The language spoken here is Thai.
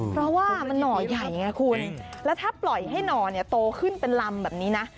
เพราะว่ามันหน่อใหญ่ไงคุณแล้วถ้าปล่อยให้หน่อโตขึ้นเป็นลำแบบนี้นะ